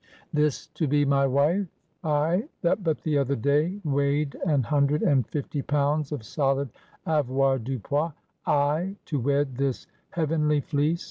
This to be my wife? I that but the other day weighed an hundred and fifty pounds of solid avoirdupois; I to wed this heavenly fleece?